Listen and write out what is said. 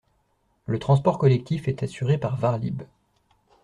Le transport collectif est assuré par varlib.